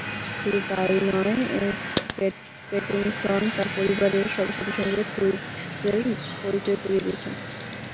শুধু তা–ই নয়, প্যাটিনসন তাঁর পরিবারের সদস্যদের সঙ্গে টুইগসের পরিচয় করিয়ে দিয়েছেন।